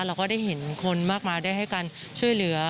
เราก็ได้เห็นคนมากมายได้ให้การช่วยเหลือ